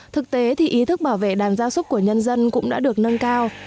thực tế thì ý thức bảo vệ đàn gia súc của nhân dân cũng đã được nâng cao